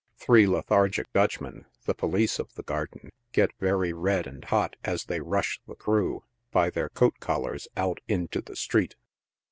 Three lethargic Dutchmen, the police of the garden, get very red and hot as they rush the crew, by their coat collars, out into the street.